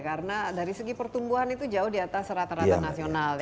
karena dari segi pertumbuhan itu jauh di atas rata rata nasional